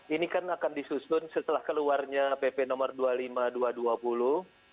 ini kan akan disusun setelah keluarnya pp nomor dua puluh lima dua ribu dua puluh